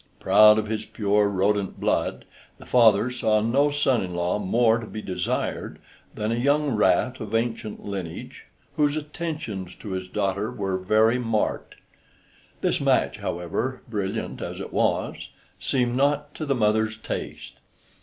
Proud of his pure rodent blood, the father saw no son in law more to be desired than a young rat of ancient lineage, whose attentions to his daughter were very marked. This match, however, brilliant as it was, seemed not to the mother's taste.